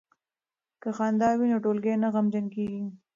که خندا وي نو ټولګی نه غمجن کیږي.